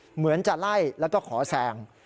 เหมือนจะไล่แล้วก็ขอแซง